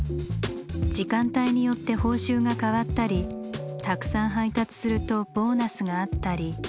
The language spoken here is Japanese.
時間帯によって報酬が変わったりたくさん配達するとボーナスがあったり。